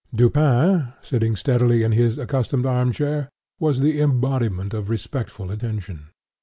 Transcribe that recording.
Dupin, sitting steadily in his accustomed arm chair, was the embodiment of respectful attention.